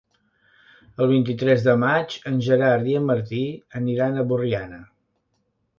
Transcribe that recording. El vint-i-tres de maig en Gerard i en Martí aniran a Borriana.